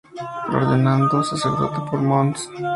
Ordenado sacerdote por Mons.